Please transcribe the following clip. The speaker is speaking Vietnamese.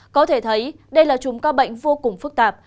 có thể thấy đây là chùm ca bệnh vô cùng phức tạp